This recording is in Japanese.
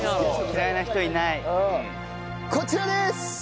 こちらです！